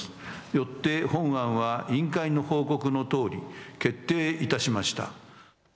よって本案は委員会の報告のとおり決定いたしました。